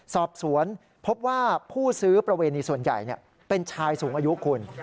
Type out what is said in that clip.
สอบสวนพบว่าผู้ซื้อประเวณีส่วนใหญ่เป็นชายสูงอายุคุณ